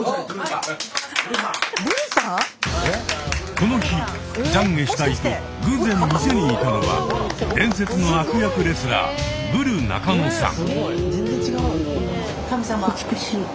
この日懺悔したいと偶然店にいたのは伝説の悪役レスラーブル中野さん。